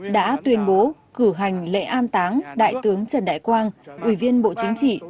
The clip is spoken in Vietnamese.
đã tuyên bố cử hành lễ an táng đại tướng trần đại quang ủy viên bộ chính trị